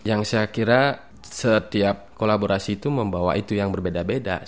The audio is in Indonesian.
yang saya kira setiap kolaborasi itu membawa itu yang berbeda beda